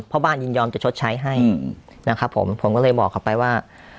พ่อบ้านยินยอมจะชดใช้ให้นะครับผมผมก็เลยบอกเขาไปว่า